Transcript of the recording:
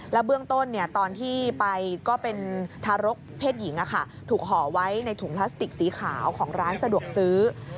เบื้องต้นตอนที่ไปก็เป็นทารกเพศหญิงถูกห่อไว้ในถุงพลาสติกสีขาวของร้านสะดวกซื้อ